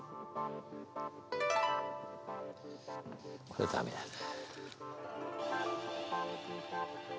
これダメだな。